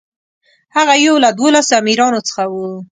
هغه یو له دولسو امیرانو څخه و.